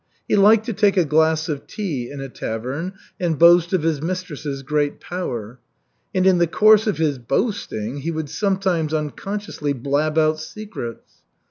He liked to take a glass of tea in a tavern and boast of his mistress's great power. And in the course of his boasting he would sometimes unconsciously blab out secrets.